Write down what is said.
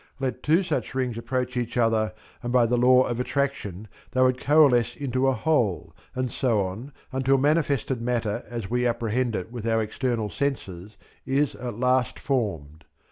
Let two such rings approach each other, and by the law of attraction, they would coalesce into a whole, and so on until manifested matter as we apprehend it with our external senses, is at last formed.